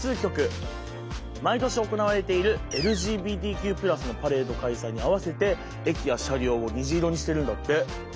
毎年行われているＬＧＢＴＱ＋のパレード開催に合わせて駅や車両を虹色にしてるんだって。